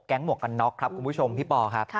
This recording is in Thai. หมวกกันน็อกครับคุณผู้ชมพี่ปอครับ